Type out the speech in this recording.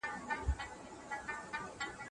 که په کمپیوټر کي کارت ګرافیک نه وي نو ایډیټ نه کیږي.